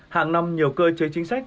hàng năm nhiều cơ chế chính sách